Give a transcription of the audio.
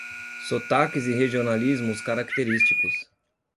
Sotaques e regionalismos característicos